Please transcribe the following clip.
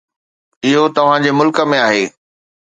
اهو توهان جي ملڪ ۾ آهي.